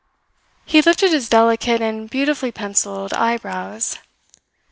He lifted his delicate and beautifully pencilled eyebrows.